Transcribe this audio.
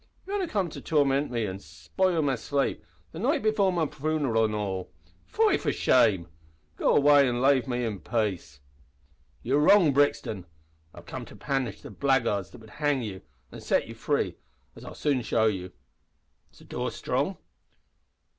You've only just come to tormint me an' spile my slape the night before my funeral. Fie for shame! Go away an' lave me in pace." "You're wrong, Brixton; I've come to punish the blackguards that would hang you, an' set you free, as I'll soon show you. Is the door strong?"